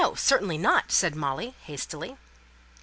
certainly not," said Molly, hastily.